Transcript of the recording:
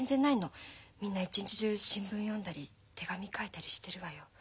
みんな一日中新聞読んだり手紙書いたりしてるわよ。